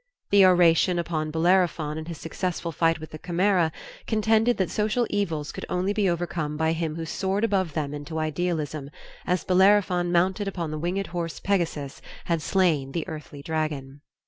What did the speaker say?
The oration upon Bellerophon and his successful fight with the Chimera contended that social evils could only be overcome by him who soared above them into idealism, as Bellerophon mounted upon the winged horse Pegasus, had slain the earthy dragon.